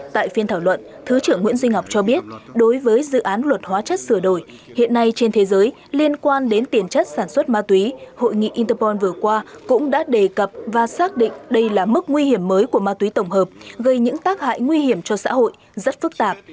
tại phiên thảo luận thứ trưởng nguyễn duy ngọc cho biết đối với dự án luật hóa chất sửa đổi hiện nay trên thế giới liên quan đến tiền chất sản xuất ma túy hội nghị interpol vừa qua cũng đã đề cập và xác định đây là mức nguy hiểm mới của ma túy tổng hợp gây những tác hại nguy hiểm cho xã hội rất phức tạp